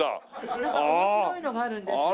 なんか面白いのがあるんですよ。